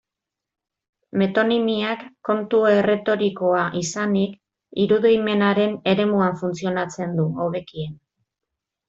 Metonimiak, kontu erretorikoa izanik, irudimenaren eremuan funtzionatzen du hobekien.